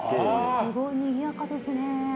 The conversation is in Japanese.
すごいにぎやかですね。